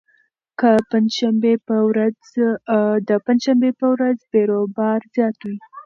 د پنجشنبې په ورځ بېروبار زیات وي.